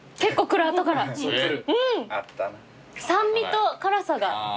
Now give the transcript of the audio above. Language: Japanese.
酸味と辛さが。